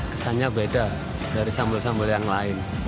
kesannya beda dari sambel sambel yang lain